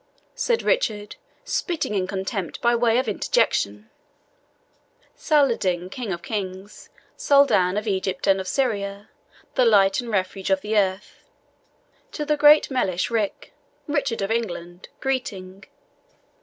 said Richard, spitting in contempt, by way of interjection], Saladin, king of kings, Saldan of Egypt and of Syria, the light and refuge of the earth, to the great Melech Ric, Richard of England, greeting.